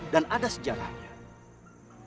dan ada sejarahnya